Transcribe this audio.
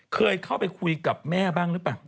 เคยเข้าไปคุยกับแม่บ้างหรือเปล่า